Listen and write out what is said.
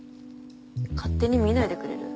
勝手に見ないでくれる？